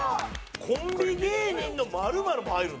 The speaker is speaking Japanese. コンビ芸人の○○も入るんだ。